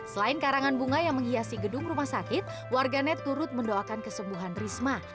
selain karangan bunga yang menghiasi gedung rumah sakit warganet turut mendoakan kesembuhan risma